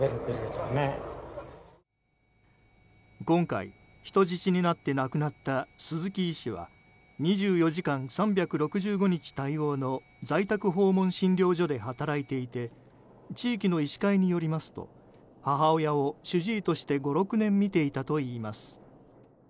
今回、人質になって亡くなった鈴木医師は２４時間３６５日対応の在宅訪問診療所で働いていて地域の医師会によりますと母親を主治医として５６年診ていたといいます。